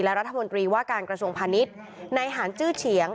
และรัฐมนตรีว่าการกระทรวงพาณิชย์ในหารจื้อเฉียง